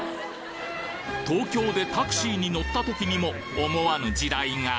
東京でタクシーに乗ったときにも、思わぬ地雷が。